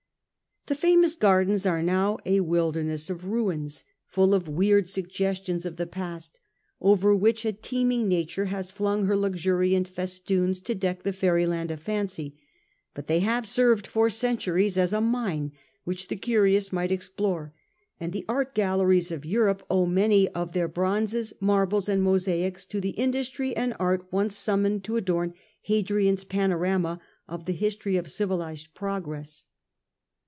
The famous gardens are now a wilderness of ruins, full of weird suggestions of the past, over which a teeming nature has flung her luxuriant festoons to deck the fairy land of fancy ; but they have served for centuries as a mine which the curious might explore, and the art galleries of Europe owe many of their bronzes, marbles, and mosaics to the industry and skill once summoned to adorn Hadrian's panorama of the history of civilized progress.